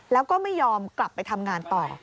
แล้วก็ไม่ยอมกลับไปทำงานต่อ